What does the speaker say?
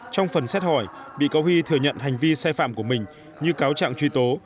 trong phần xét hỏi bị cáo huy thừa nhận hành vi sai phạm của mình như cáo trạng truy tố